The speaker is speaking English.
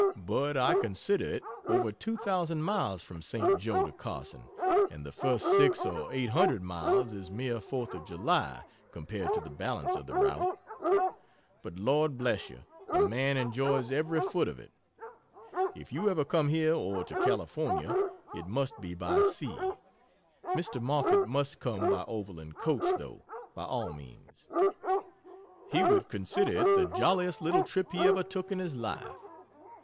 But I consider it over 2,000 miles from St. Jo to Carson, and the first 6 or 800 miles is mere Fourth of July, compared to the balance of the route. But Lord bless you, a man enjoys every foot of it. If you ever come here or to California, it must be by sea. Mr. Moffett must come by overland coach, though, by all means. He would consider it the jolliest little trip he ever took in his life.